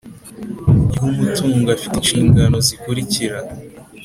Ry Umutungo Afite Inshingano Zikurikira